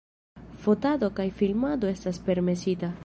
Fotado kaj filmado estas permesita.